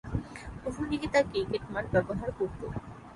প্রথমদিকে তারা ক্রিকেট মাঠ ব্যবহার করত।